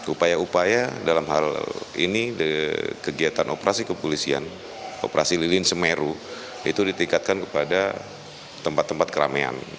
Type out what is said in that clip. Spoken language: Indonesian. upaya upaya dalam hal ini kegiatan operasi kepolisian operasi lilin semeru itu ditingkatkan kepada tempat tempat keramaian